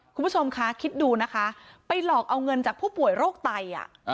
คุณผู้ชมคะคิดดูนะคะไปหลอกเอาเงินจากผู้ป่วยโรคไต